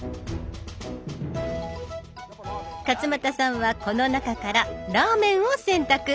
勝俣さんはこの中から「ラーメン」を選択。